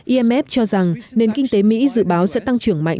imf cho rằng nền kinh tế mỹ dự báo sẽ tăng trưởng mạnh